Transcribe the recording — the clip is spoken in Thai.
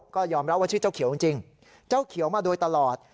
ก็ยอมรับว่าชื่อเจ้าเขียวจริงเจ้าเขียวมาโดยตลอด